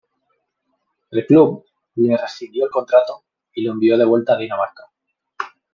El club le rescindió el contrato y lo envió de vuelta a Dinamarca.